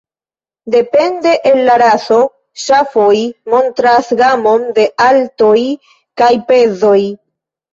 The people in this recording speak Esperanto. Depende el la raso, ŝafoj montras gamon de altoj kaj pezoj.